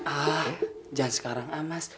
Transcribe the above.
ah jangan sekarang ah mas